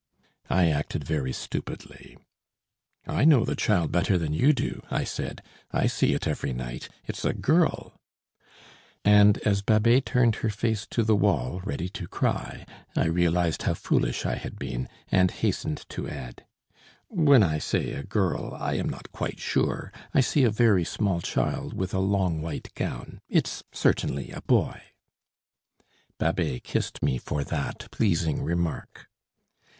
I acted very stupidly. "I know the child better than you do," I said. "I see it every night. It's a girl " And as Babet turned her face to the wall, ready to cry, I realised how foolish I had been, and hastened to add: "When I say a girl I am not quite sure. I see a very small child with a long white gown. it's certainly a boy." Babet kissed me for that pleasing remark.